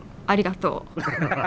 ありがとう。